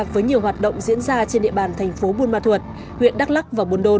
với nhiều hoạt động diễn ra trên địa bàn thành phố buôn ma thuật huyện đắk lắc và buôn đô